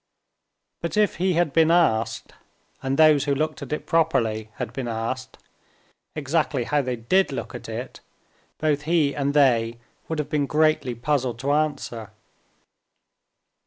But if he had been asked, and those who looked at it "properly" had been asked, exactly how they did look at it, both he and they would have been greatly puzzled to answer.